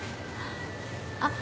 あっ。